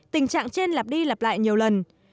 tình trạng trên lặp đi lặp lại nhiều lần